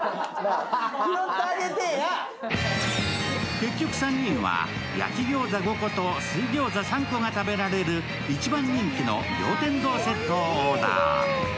結局３人は焼き餃子５個と水餃子３個が食べられる一番人気の餃天堂セットをオーダー。